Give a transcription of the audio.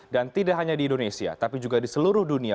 dan tidak hanya di indonesia tapi juga di seluruh dunia